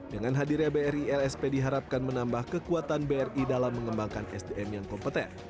dengan hadirnya bri lsp diharapkan menambah kekuatan bri dalam mengembangkan sdm yang kompeten